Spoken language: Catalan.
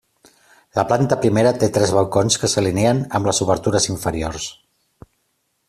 La planta primera té tres balcons que s'alineen amb les obertures inferiors.